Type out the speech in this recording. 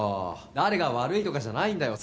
誰が悪いとかじゃないんだよ